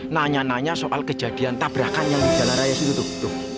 nanya nanya soal kejadian tabrakan yang di jalan raya itu